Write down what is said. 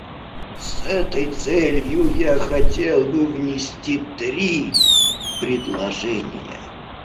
С этой целью я хотел бы внести три предложения.